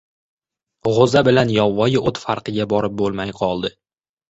G‘o‘za bilan yovvoyi o‘t farqiga borib bo‘lmay qoldi.